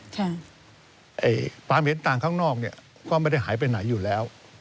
ความเห็นต่างข้างนอกเนี่ยก็ไม่ได้หายไปไหนอยู่แล้ว